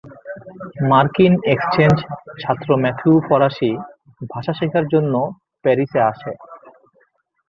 মার্কিন এক্সচেঞ্জ ছাত্র ম্যাথিউ ফরাসি ভাষা শেখার জন্য প্যারিসে আসে।